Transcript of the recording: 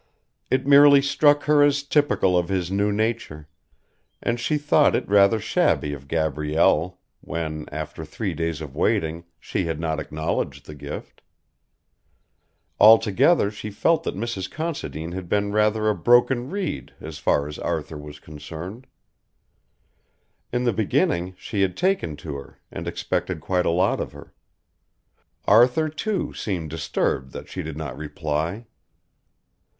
It merely struck her as typical of his new nature, and she thought it rather shabby of Gabrielle, when, after three days of waiting, she had not acknowledged the gift. Altogether she felt that Mrs. Considine had been rather a broken reed as far as Arthur was concerned. In the beginning she had taken to her, and expected quite a lot of her. Arthur, too, seemed disturbed that she did not reply.